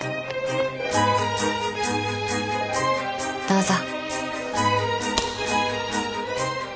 どうぞ。